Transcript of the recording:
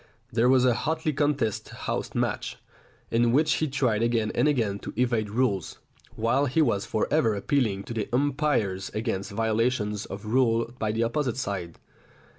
There was a hotly contested house match, in which he tried again and again to evade rules, while he was for ever appealing to the umpires against violations of rule by the opposite side.